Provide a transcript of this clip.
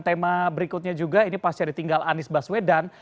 tema berikutnya juga ini pasca ditinggal anies baswedan